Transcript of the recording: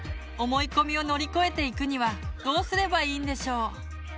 思い込みを乗り越えていくにはどうすればいいんでしょう？